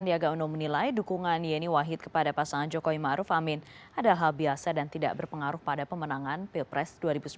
diaga uno menilai dukungan yeni wahid kepada pasangan joko imaruf amin adalah hal biasa dan tidak berpengaruh pada pemenangan pilpres dua ribu sembilan belas